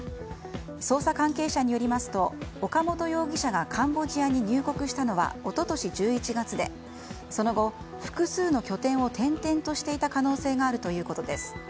捜査関係者によりますと岡本容疑者がカンボジアに入国したのは一昨年１１月でその後、複数の拠点を転々としていた可能性があるということです。